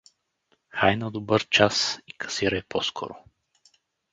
— Хай на добър час и касирай по-скоро.